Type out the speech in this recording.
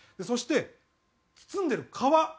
そして包んでる皮。